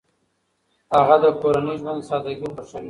هغه د کورني ژوند سادګي خوښوي.